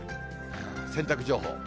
洗濯情報。